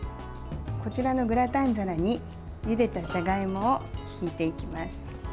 こちらのグラタン皿にゆでたじゃがいもをしいていきます。